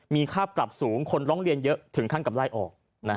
มีค่าปรับสูงคนร้องเรียนเยอะถึงขั้นกับไล่ออก